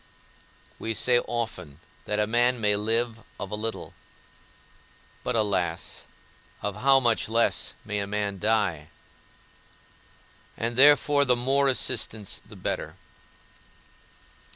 We say often that a man may live of a little; but, alas, of how much less may a man die? And therefore the more assistants the better.